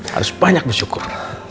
harus banyak bersyukur